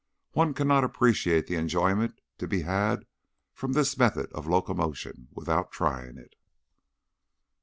One cannot appreciate the enjoyment to be had from this method of locomotion without trying it.